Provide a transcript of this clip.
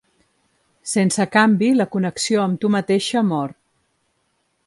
Sense canvi, la connexió amb tu mateixa mor.